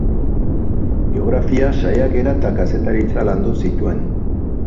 Biografia, saiakera eta kazetaritza landu zituen.